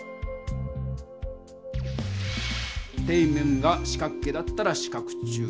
底面が四角形だったら「四角柱」。